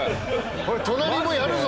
これ隣もやるぞ！